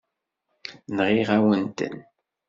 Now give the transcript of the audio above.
Nɣiɣ-awen-ten.